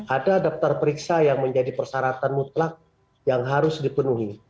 ada daftar periksa yang menjadi persyaratan mutlak yang harus dipenuhi